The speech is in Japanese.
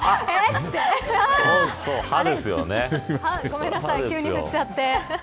ごめんなさい急に振っちゃって。